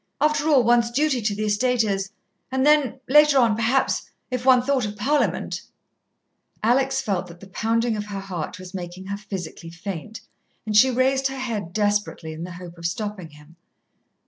After all, one's duty to the estate is ... and then, later on, perhaps, if one thought of Parliament " Alex felt that the pounding of her heart was making her physically faint, and she raised her head desperately, in the hope of stopping him.